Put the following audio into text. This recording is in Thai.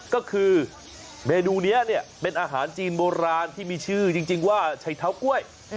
ก็คือเมนูนี้เนี่ยเป็นอาหารจีนโบราณที่มีชื่อจริงว่าชัยเท้ากล้วย